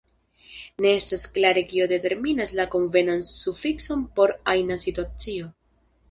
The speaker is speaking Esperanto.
Ne estas klare kio determinas la konvenan sufikson por ajna situacio.